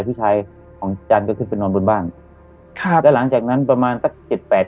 พี่ชายของจันทร์ก็ขึ้นไปนอนบนบ้านครับแล้วหลังจากนั้นประมาณสักเจ็ดแปด